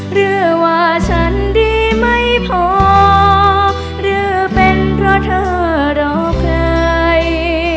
หรือว่าฉันดีไม่พอหรือเป็นเพราะเธอรอใคร